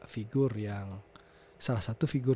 figur yang salah satu figur